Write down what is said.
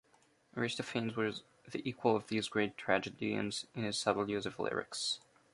Aristophanes was the equal of these great tragedians in his subtle use of lyrics.